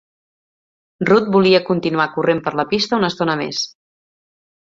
Ruth volia continuar corrent per la pista una estona més.